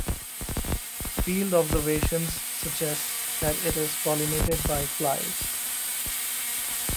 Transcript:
Field observations suggest that it is pollinated by flies.